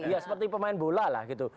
ya seperti pemain bola lah gitu